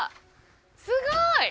すごい！